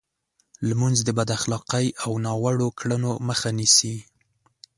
لمونځ د بد اخلاقۍ او ناوړو کړنو مخه نیسي.